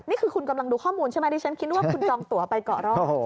นี่คือคุณกำลังดูข้อมูลใช่ไหมดิฉันคิดว่าคุณจองตัวไปเกาะรอบ